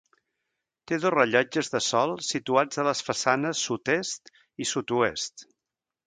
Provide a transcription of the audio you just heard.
Té dos rellotges de sol situats a les façanes sud-est i sud-oest.